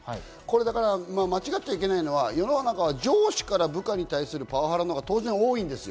間違っちゃいけないのは、世の中は上司から部下に対するパワハラのほうが当然多いです。